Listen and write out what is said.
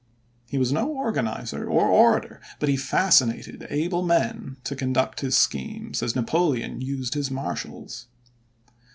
He was no organizer or orator, but he fascinated able men to conduct his schemes, as Napoleon used his marshals.